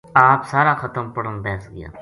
آپ سارا ختم پڑھن بیس گیا